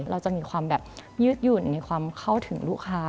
เราจะมีความแบบยืดหยุ่นในความเข้าถึงลูกค้า